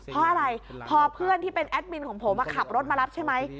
เพราะอะไรพอเพื่อนที่เป็นแอดมินของผมขับรถมารับใช่ไหม